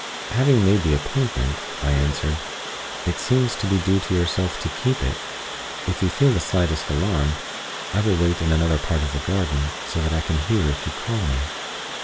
"Having made the appointment," I answered, "it seems to be due to yourself to keep it. If you feel the slightest alarm, I will wait in another part of the garden, so that I can hear if you call me."